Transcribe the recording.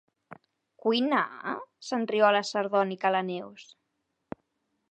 Cuinar? —s'enriola sardònica la Neus—.